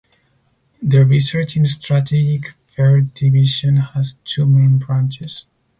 The research in strategic fair division has two main branches.